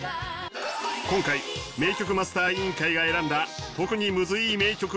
今回名曲マスター委員会が選んだ特にムズいい名曲がこちら。